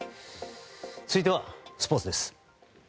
続いてはスポーツです。